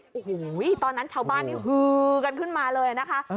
โอ้โหตอนนั้นชาวบ้านนี่ฮือกันขึ้นมาเลยนะคะ